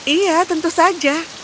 iya tentu saja